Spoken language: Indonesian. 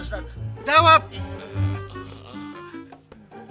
jangan sampai capek